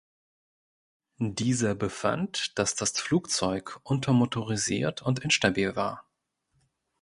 Dieser befand, dass das Flugzeug untermotorisiert und instabil war.